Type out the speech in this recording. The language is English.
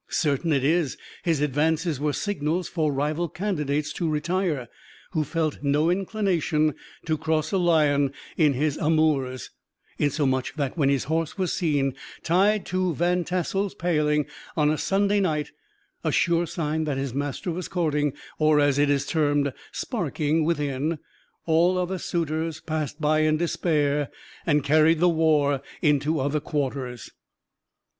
Certain it is, his advances were signals for rival candidates to retire, who felt no inclination to cross a lion in his amours; insomuch, that when his horse was seen tied to Van Tassel's paling, on a Sunday night, a sure sign that his master was courting, or, as it is termed, "sparking," within, all other suitors passed by in despair and carried the war into other quarters.